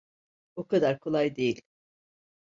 O kadar kolay değil.